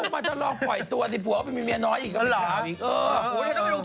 มันจะลองปล่อยตัวอธิปุะไปมีเมี้ยน้อยอีกมีเกมอีก